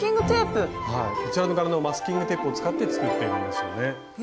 正解はねそうこちらの柄のマスキングテープを使って作っているんですよね。